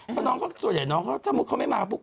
ถ้าส่วนใหญ่น้องเขาไม่มา